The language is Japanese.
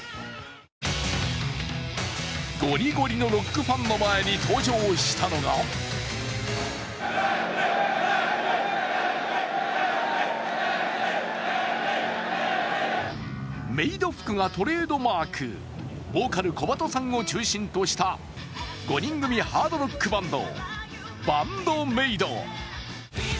ゴリゴリのロックファンの前に登場したのがメイド服がトレードマーク、ボーカル・小鳩さんを中心とした５人組ハードロックバンド、ＢＡＮＤ−ＭＡＩＤ。